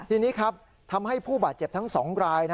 ทีนี้ครับทำให้ผู้บาดเจ็บทั้ง๒ราย